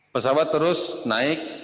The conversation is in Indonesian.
pesawat terus naik